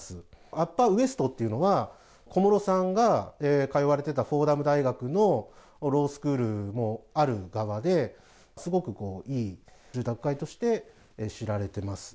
アッパーウエストっていうのは、小室さんが通われてたフォーダム大学のロースクールもある側で、すごくいい住宅街として知られてます。